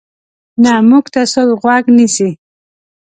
نه موږ ته څوک غوږ نیسي.